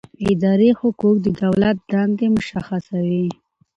اداري حقوق د دولت دندې مشخصوي.